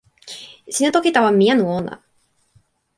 sina toki tawa mi anu ona?